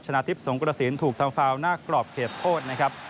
นาทิพย์สงกระสินถูกทำฟาวหน้ากรอบเขตโทษนะครับ